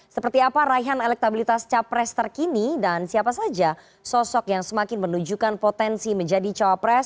seperti apa raihan elektabilitas capres terkini dan siapa saja sosok yang semakin menunjukkan potensi menjadi cawapres